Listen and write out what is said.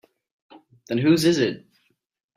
Then whose is it?